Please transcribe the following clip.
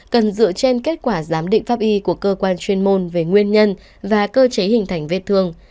cần dựa trên kết quả giám định pháp y của cơ quan chuyên môn về nguyên nhân và cơ chế hình thành vết thương